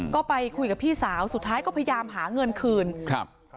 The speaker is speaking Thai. ก็ไปคุยกับพี่สาวสุดท้ายก็พยายามหาเงินคืนครับ